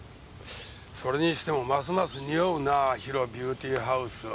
それにしてもますます臭うなＨＩＲＯビューティーハウスは。